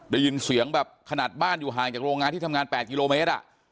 ได้ยินเสียงแบบขนาดบ้านอยู่ห่างจากโรงงานที่ทำงาน๘กิโลเมตร